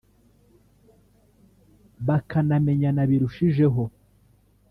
bakanamenyana birushijeho